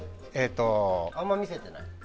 あんま見せてない？